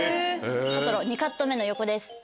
トトロ２カット目の横です。